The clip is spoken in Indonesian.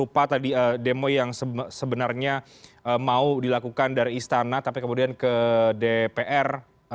apa tadi demo yang sebenarnya mau dilakukan dari istana tapi kemudian ke dpr